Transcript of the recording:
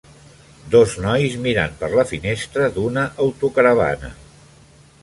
Dos nois mirant per la finestra d'una autocaravana.